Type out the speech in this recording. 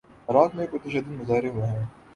عراق میں پر تشدد مظاہرے ہوئے ہیں۔